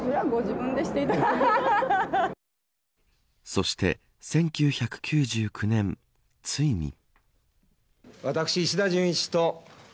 そして、１９９９年ついに。